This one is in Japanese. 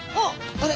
あれ？